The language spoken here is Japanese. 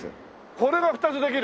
これが２つできる？